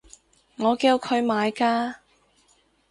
我叫佢買㗎